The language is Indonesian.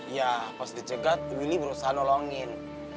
ya pas dicegat willy berusaha nolongin